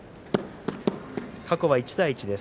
過去は１対１です。